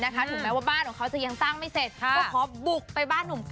ถึงแม้ว่าบ้านเขาจะยังสร้างไม่เสร็จ